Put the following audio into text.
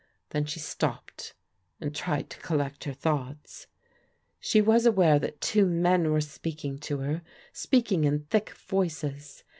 Then she stopped and tried to collect her thoughts. She was aware that two men were speaking to her — q>eakmg in thick voices.